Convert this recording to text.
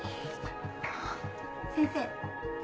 先生。